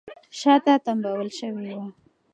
شاته تمبول شوې وه